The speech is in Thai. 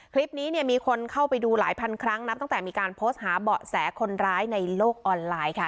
คลิปนี้เนี่ยมีคนเข้าไปดูหลายพันครั้งนับตั้งแต่มีการโพสต์หาเบาะแสคนร้ายในโลกออนไลน์ค่ะ